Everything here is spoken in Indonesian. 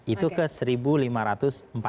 itu ke rp satu lima ratus